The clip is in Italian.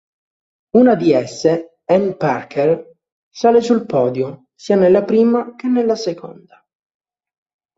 Una di esse, Ann Packer, sale sul podio sia nella prima che nella seconda.